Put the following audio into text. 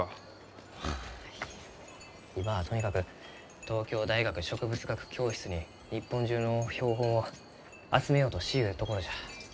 今はとにかく東京大学植物学教室に日本中の標本を集めようとしゆうところじゃ。